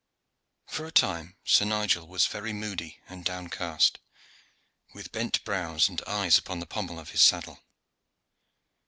For a time Sir Nigel was very moody and downcast, with bent brows and eyes upon the pommel of his saddle.